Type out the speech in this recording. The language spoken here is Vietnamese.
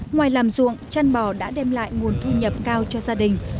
ngoài làm ruộng chăn bò đã đem lại nguồn thu nhập cao cho gia đình